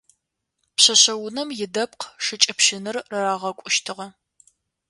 Пшъэшъэунэм идэпкъ шыкӏэпщынэр рагъэкӏущтыгъэ.